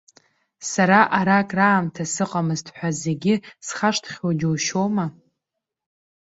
Сара ара акраамҭа сыҟамызт ҳәа, зегьы схашҭхьоу џьушьома!